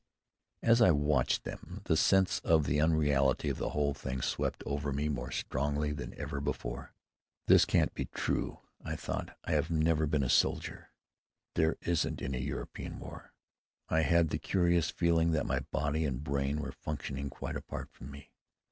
As I watched them, the sense of the unreality of the whole thing swept over me more strongly than ever before. "This can't be true," I thought; "I have never been a soldier. There isn't any European war." I had the curious feeling that my body and brain were functioning quite apart from me.